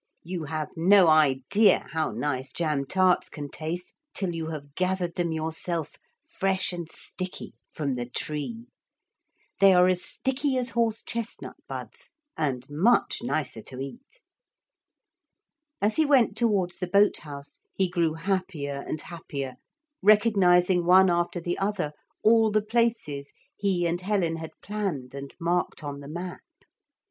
You have no idea how nice jam tarts can taste till you have gathered them yourself, fresh and sticky, from the tree. They are as sticky as horse chestnut buds, and much nicer to eat. As he went towards the boat house he grew happier and happier, recognising, one after the other, all the places he and Helen had planned and marked on the map.